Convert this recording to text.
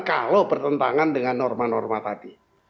kalau bertentangan dengan norma norma tadi